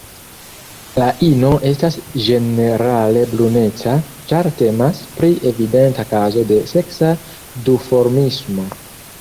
La ino estas ĝenerale bruneca, ĉar temas pri evidenta kazo de seksa duformismo.